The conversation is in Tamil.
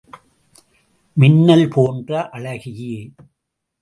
மின்னல் போன்ற அழகியே!